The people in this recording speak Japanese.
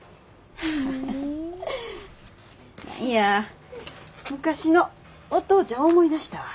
何や昔のお父ちゃん思い出したわ。